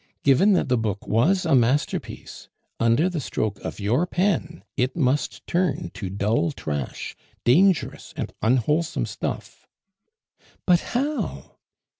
"Given that the book was a masterpiece, under the stroke of your pen it must turn to dull trash, dangerous and unwholesome stuff." "But how?"